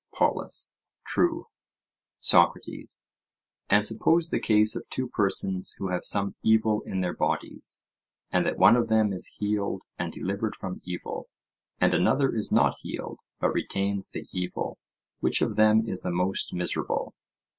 POLUS: True. SOCRATES: And suppose the case of two persons who have some evil in their bodies, and that one of them is healed and delivered from evil, and another is not healed, but retains the evil—which of them is the most miserable?